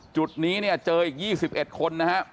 จุดนี้เนี่ยเจออีก๒๑คนนะครับ